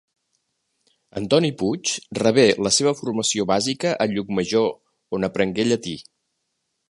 Antoni Puig rebé la seva formació bàsica a Llucmajor on aprengué llatí.